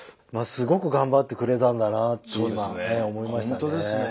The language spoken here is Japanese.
すごく頑張ってくれたんだなっていうのは思いましたね。